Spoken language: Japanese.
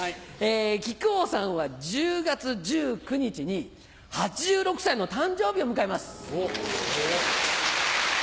木久扇さんは１０月１９日に８６歳の誕生日を迎えます！